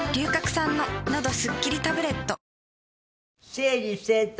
整理整頓